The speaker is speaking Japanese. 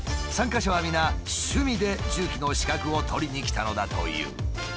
参加者は皆趣味で重機の資格を取りに来たのだという。